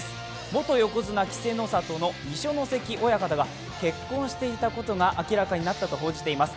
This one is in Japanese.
元横綱・稀勢の里の二所ノ関親方が結婚していたことが明らかになったと報じています。